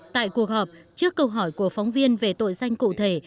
tại cuộc họp trước câu hỏi của phóng viên về tội danh cụ thể